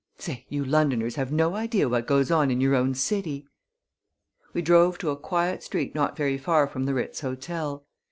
Say, you Londoners have no idea what goes on in your own city!" We drove to a quiet street not very far from the Ritz Hotel.